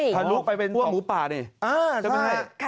ถลุกไปเป็นพวกหมูป่าเนี่ย